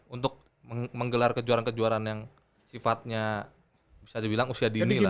untuk menggelar kejuaraan kejuaraan yang sifatnya bisa dibilang usia dini lah